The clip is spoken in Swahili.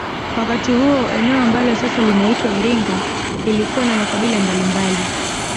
Wakati huo eneo ambalo sasa linaitwa Iringa lilikuwa na makabila mbalimbali